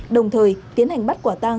đồng thời tiến hành bắt quả tang